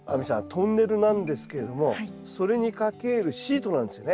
トンネルなんですけれどもそれにかけるシートなんですよね。